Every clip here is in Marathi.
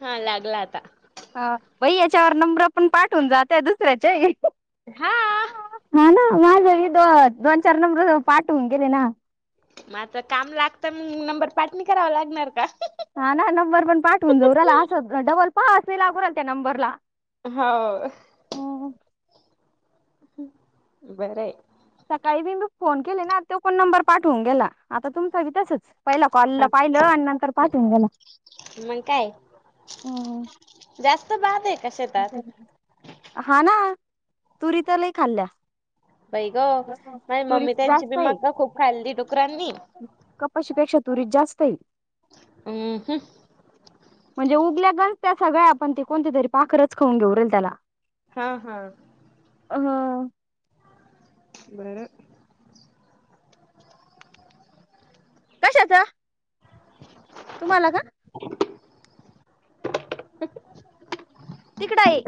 हां लागला आता. हां बाई याच्यावर नंबर पण पाठवून जाते दुसऱ्याचे. हां. हा ना माझ हे द दोन, चार नंबर पाठवून दीले ना. मात्र काम लागत मग नंबर पाठ नाई करावा लागणार का. हा ना नंबर पण पाठवून जाऊ राला. असं डबल पहा आसेल त्या नंबरला, हो बरंय सकाळी बिं मी फोन केले ना, तो कोण नंबर पाठवून गेला आता तुमचाबी तसच पहिला कॉलला पाहिलं आणि नंतर पाठवून गेला. मग काय जास्त, बाद आहे का शेतात हा ना तुरी तर लय खाल्या. बाई ग माझी तुरीत मम्मी त्यांची बी जास्त आहे. मका खूप खाल्ली डुकरांनी कपाशीपेक्षा तुरीत जास्त ते. हम् ह. म्हणजे उगल्या गज त्या सगळ्या आपण त कोणती तरी पाखरच खाऊन घेऊ रेल त्याला. हा हा. हा. बर, कशाच, तुम्हाला का? [unintelligible] तिकड आहे.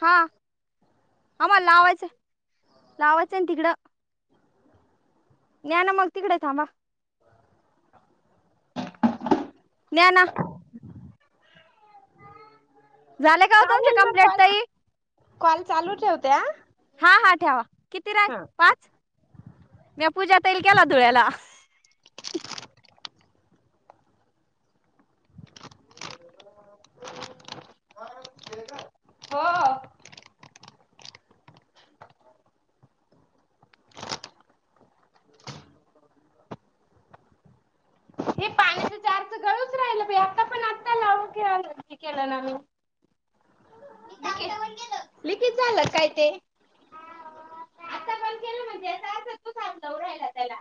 हा आम्हाला लावायचं लावायचं तिकडं. न्हान मग तिकडे थांबा. द्या ना. झालं का. तुमचे म कंप्लेट कॉल ताई कॉल चालू ठ होते. हा हा ठेवा किती रा पाच. म पूजा तईल केला धुळ्याला. हो. हे पाण्याचं जारच गळूच केेला नान. लिकेज झालं काय ते. आता पण केलं म्हणजे याचा अर्थ तूच हात लावू राहिला त्याला.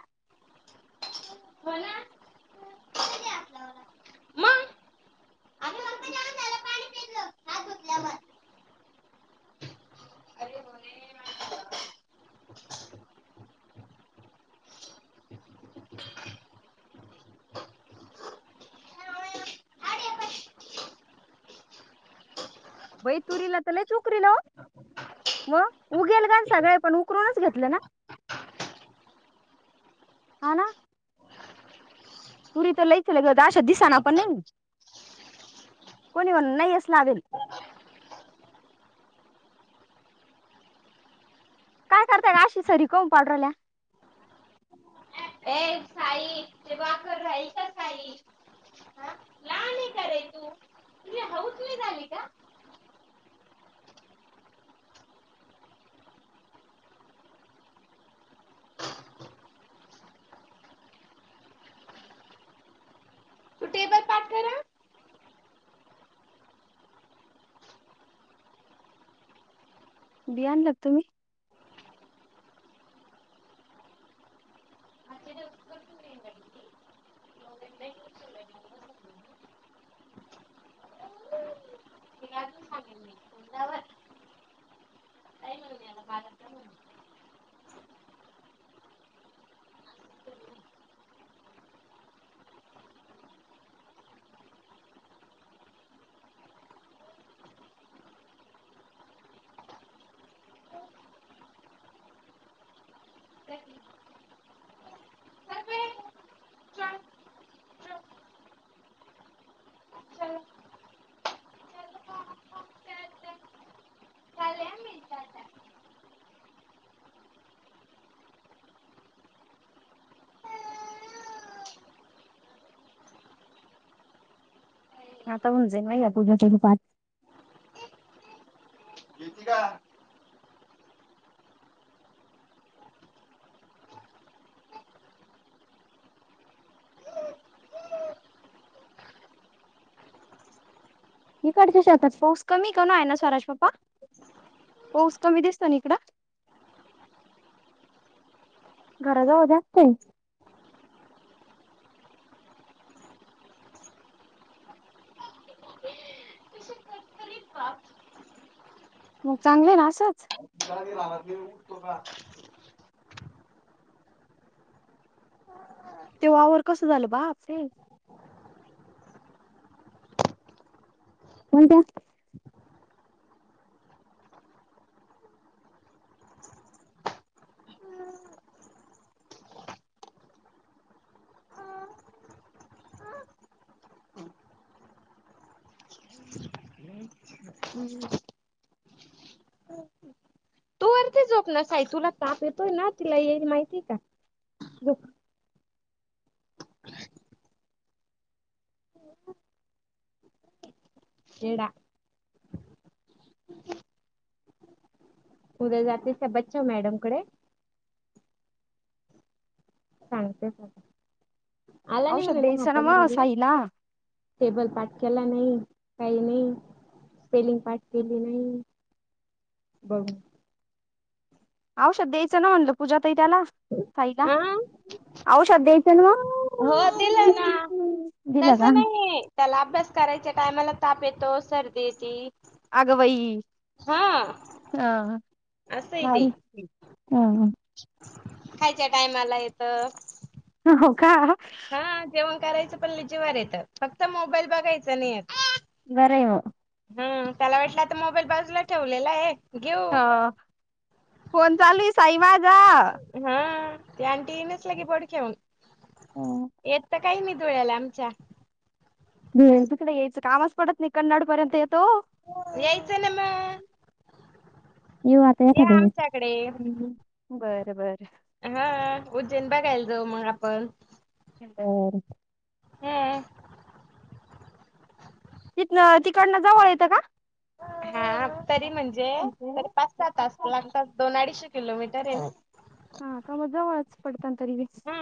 हो ना मग वै तुरल तला चुकरी नव. व उघेल का सगळे पण उकरूनच घेतलं ना. हाना. तुरी तर लईच ल अशा दिसाना पण लई. कोणी कोण नाही अस लावेल. काय करताय का अशी सरी कोन पाडून राहील्या. एक साई. हा? लहान आहे का रे तू तुझी हौस नाही झाली का तू टेबल पाठ करा बिया आणला तुम्ही. वर. [unintelligible] [unintelligible] [unintelligible] आता ऊन जाईन नाही या पूजाचे पाठ येती का. हीकडच्या शेतात पाऊस कमी कण आहे ना स्वराज चे पप्पा. पाऊस कमी दिसत ना इकड. घरा जाऊ जास्त. मग चांगले ना असंच. तुला राह नाही उठतो का. तेव्हावर कसं झालं बा फें. कोणत्या? हम्. ती झोप ना सा तुला ताप येतोय ना तिला येईल माहितीय का. एडा. उद्या जातिश बच्चव मॅडम कडे. सांगते सग आला नाही औषध म्ह ना द्यायचं मग मात. साईला टेबल पाठ केला नाही काही नाही. स्पेलिंग पाठ केली नाही बघ. औषा द्यायचं ना म्हणलं पूजा तै त्याला साईला. हा आऔषधथ ना वा हो दिलं ना तसं नाही त्याला अभ्यास करायच्या टायमाला ताप येतो सर्दीची अगवई हा असं आहे ते हा खायच्या टायमाला येत. ह हो का. हा जेवण करायचं पण ल जिवार येत फक्त मोबाईल बघायचा नाही. वराव. हम त्याला वाटलं तर मोबाईल बाजूला ठेवलेला आहे. घेऊ हा फोन चालू साई वाज.. हा ते आंटी नच ला के बडख्याऊन.. हम्म येत तर काही मी धुळ्याला आमच्या.. ह तुकडडे यायचं कामच पडत न कन्नाडपर्यंत येत येयच ना म. येऊ आता या एखाद्या वेळेस आमच्याकडे हा.. हम्म बरं बरं उज्जैन बघायला जाव मग आपण. बर. ह. तिथन तिकडनं जवळ येतं का.. हा तरी म्हणजे तरी पाच स तास लागतात दोन अडीचशे किलोमीटर आहे.. हा कामज वाच पडतातरी हा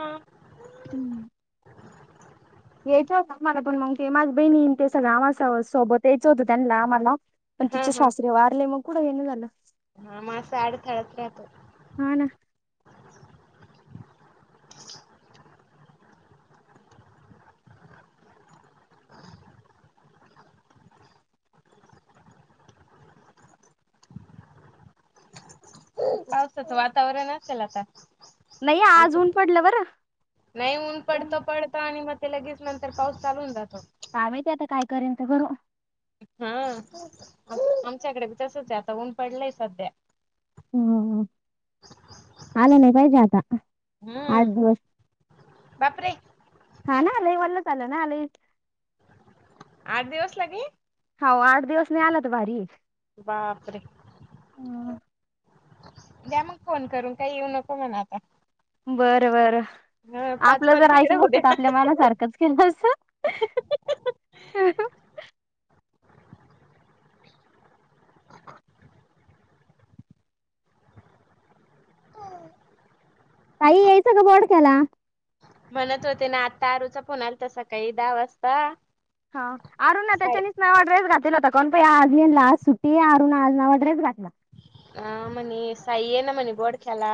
हम्म.. यायचं होतं आम्हाला पण मग ते माझ्या बहिणी ते सगळं आम्हा सोबत यायचं होतं त्यांना आम्हाला.. पण हा तिचे हा सासरे वारले मग कुडं हेण झालं.. हा माझं अडथळ्यात राहतो [inaudible] हा ना पावतत वातावरण असेल तर. नाही आज ऊन पडलं बरं नाही ऊन पडत पडत आणि मग तेव. तर पाऊस लून जातो. का मा ते आता काय करेन तर कररू.. हा आमच्याकडे तसच आहे आता ऊन पडलंय सध्या.. हम्. आलं नाही पाहिजे आता आठ हम्म दिवस.. बापरे. हा ना आले वल्ल आलं त.. आठ दिवस लागेल. हो आठ दिवस नाही आलात भारी.. बापरे. आहे द्या मग फोन करून काही येऊ नको म्हणा आता.. बर बर ह पाच आपलं कॉल जर तिकडे यकिंग होऊ असत तर द्या आपल्या मनासारखंच केलं अस.. [unintelligible] काई यायचं का बॉडक्याला.. म्हणत होते ना आत्ता आरुचा फोन आलताक सकाऴी दहा वाजता.. हा अरु ना साडे त्याच्यानीच नवा ड्रेस घातलेला होता.. ण पया आजयन ला सुटी अरुण आज नवा ड्रेस घाठला.. अह मनी साई ये ना मनी बोडख्याला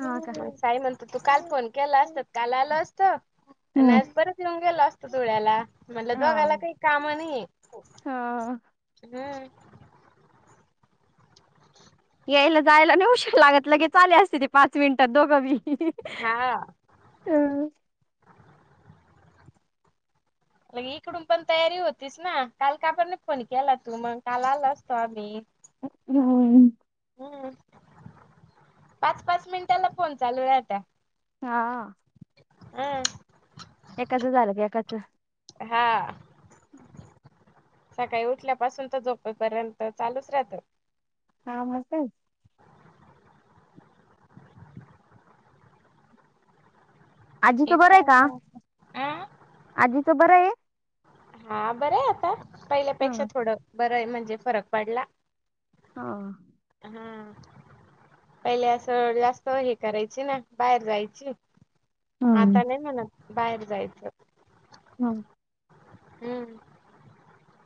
हा का? म्हणत तू काल फोन केला असत काल आल असत. हम्म. नज बरत निमल असस्त ुळ्याला.. म्हटलं दोघाला हा. काही काम नाही हा हम्.. यायला जायला नाही उशीर लागत लगे चाले असते ते पाच मिनिटात दोघंवी.. हा [unintelligible] इकडून पण तयारी होतीस ना काल का पण फोन केला तू मग काल आला असतो आम्ही.. हम्. हम् पाच -पाच मिनिटाला फोन चालू आहे आता.. हा. अ अ. एकाचं झालं की एकाचं हा हम् [inaudible] सकाळी उठल्यापासून तर झोपपर्यंत चालूच राहतं हा मस्त आजी तो येत बरं आहे [inaudible] का आजी त बरं आहे [inaudible] हा बरं आता हा पहिल्यापेक्षा थोडं बर आहे म्हणजे फरक पडला हा हम पहिले असं जास्त हे करायची ना बाहेर जायची हम्म. आता नाही म्हणत बाहेर जायचं हम हम्म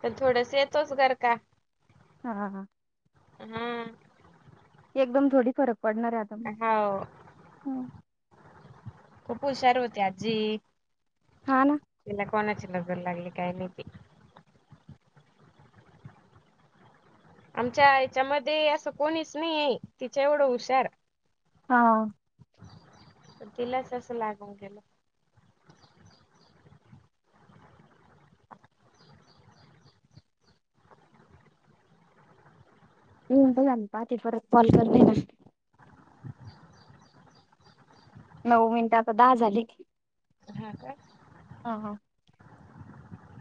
पण थोडस येतोस घर का हा- हा हम्म एकदम थोडी फरक पडणार आता हाव मला खूप हुशार होती आजी हा ना तिला कोणाची नजर लागली काय माहिती आमच्या हेच्यामध्ये असं कोणीच नाही आहे तिच्या एवढं हुशार.. हा [inaudible] तर तिलाच असं लागून गेलं [unintelligible] बला पाती परत कॉल करन नऊ मिनिट आता दहा झाल की हा काय हा- हा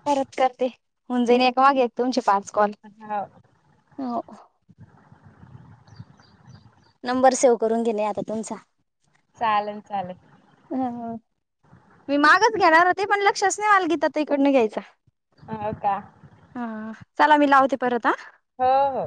करत करते हुंजणी एकामागे येतात तुमचे पाच कोण हो [inaudible] हो नंबर सेव्ह करून घेणे आता तुमचा चालेल- चालेल [inaudible] मी मागच घेणार होते पण लक्षच नाही गीता ताईकडं घ्यायचं ह [inaudible] हा का चला मी लावते परत हा हो- हो